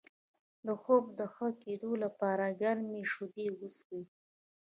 د خوب د ښه کیدو لپاره ګرمې شیدې وڅښئ